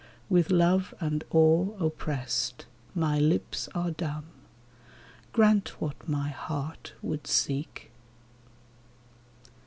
With love and awe oppressed, my lips are dumb : Grant what my heart would seek